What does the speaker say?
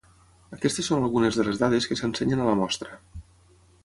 Aquestes són algunes de les dades que s’ensenyen a la mostra.